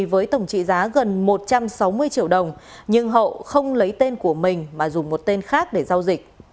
với tổng trị giá gần một trăm sáu mươi triệu đồng nhưng hậu không lấy tên của mình mà dùng một tên khác để giao dịch